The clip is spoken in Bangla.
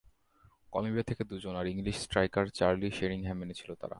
কলম্বিয়া থেকে দুজন আর ইংলিশ স্ট্রাইকার চার্লি শেরিংহামকে এনেছিল তারা।